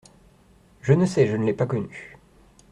Je ne sais, je ne l’ai pas connu.